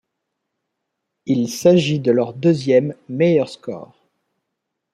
Il s'agit de leur deuxième meilleur score.